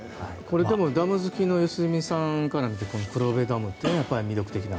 でも、ダム好きの良純さんからしたら、黒部ダムはやっぱり魅力的な。